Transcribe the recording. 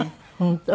本当？